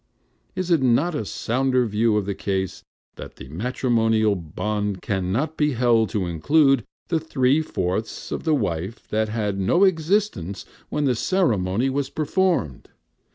Is it not a sounder view of the case, that the matrimonial bond can not be held to include the three fourths of the wife that had no existence when the ceremony was performed?